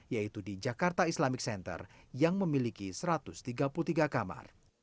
yaitu di jakarta islamic center yang memiliki satu ratus tiga puluh tiga kamar